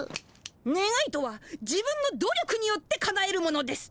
ねがいとは自分の努力によってかなえるものです。